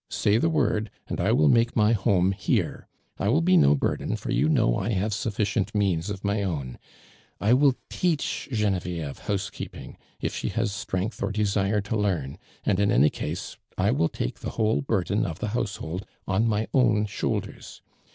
Say the word and I will make my home here. I will be no burden, for you know I have sufficient means of my owk I will teach Genevieve house keei)ing, if she has strength or desire to learn, and in any case, I will take the whole burden of the household on my own shoulders.